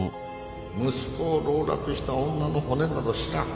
息子を籠絡した女の骨など知らん